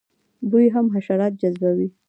بوی هم حشرات جذبوي